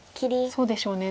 そうですね。